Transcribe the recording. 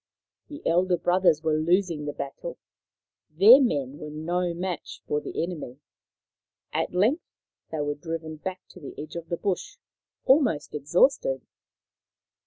The elder brothers were losing the battle. Their men were no match for the enemy. At length they were driven back to the edge of the bush, almost exhausted.